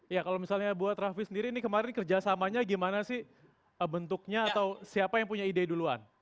ya kalau misalnya buat raffi sendiri ini kemarin kerjasamanya gimana sih bentuknya atau siapa yang punya ide duluan